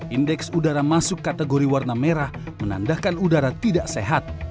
indeks udara masuk kategori warna merah menandakan udara tidak sehat